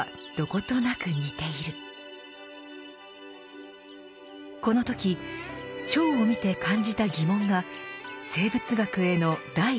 この時蝶を見て感じた疑問が生物学への第一歩でした。